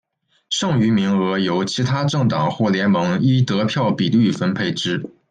剩余名额由其他政党或联盟依得票比率分配之。